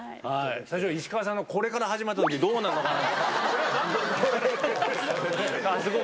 最初、石川さんがこれから始まったとき、どうなることか。